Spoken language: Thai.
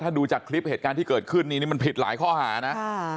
ถ้าดูจากคลิปเหตุการณ์ที่เกิดขึ้นนี่นี่มันผิดหลายข้อหานะ